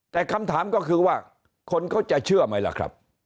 แต่คำถามก็คือว่าคนเขาจะเชื่อไหมล่ะครับ